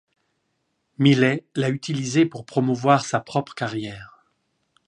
Millay l'a utilisé pour promouvoir sa propre carrière.